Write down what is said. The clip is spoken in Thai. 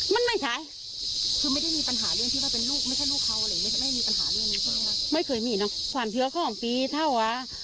ไม่เคยมีนะความเทียบ๑๕ปีเท่าว่า